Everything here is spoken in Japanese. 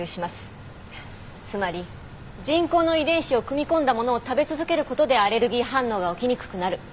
つまり人工の遺伝子を組み込んだものを食べ続けることでアレルギー反応が起きにくくなる。